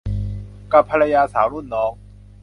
กับภรรยาสาวรุ่นน้อง